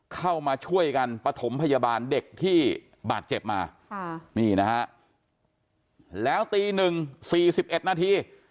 เข้ามาช่วยกันประถมพยาบาลเด็กที่บาดเจ็บมาค่ะนี่นะฮะแล้วตีหนึ่งสี่สิบเอ็ดนาที